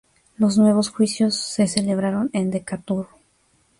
Los nuevos juicios se celebraron en Decatur.